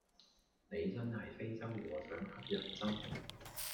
你真係非洲和尚乞人憎